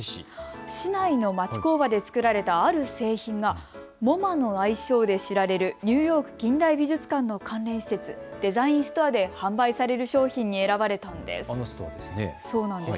市内の町工場で作られたある製品がＭｏＭＡの愛称で知られるニューヨーク近代美術館の関連施設、デザインストアで販売される商品に選ばれたんです。